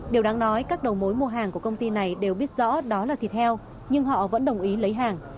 điều đáng nói các đầu mối mua hàng của công ty này đều biết rõ đó là thịt heo nhưng họ vẫn đồng ý lấy hàng